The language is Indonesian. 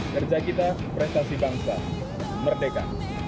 kerja kita prestasi bangsa merdeka